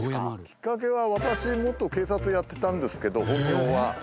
きっかけは私元警察やってたんですけど本業は。